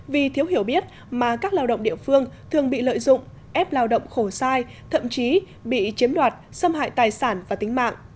vì thiếu hiểu biết mà các lao động địa phương thường bị lợi dụng ép lao động khổ sai thậm chí bị chiếm đoạt xâm hại tài sản và tính mạng